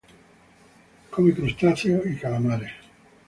Come crustáceos y calamares.